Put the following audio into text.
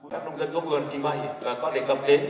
các nông dân của vườn chỉ mấy có đề cập đến